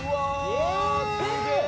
うわすげぇ！